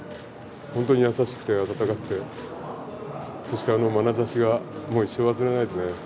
本当に優しくて、温かくて、そしてあのまなざしが、もう一生忘れられないですね。